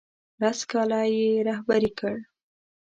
لس کاله یې رهبري کړ.